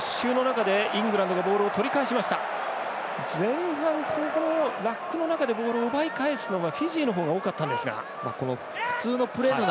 前半、ラックの中でボールを奪い返すのはフィジーの方が多かったんですが。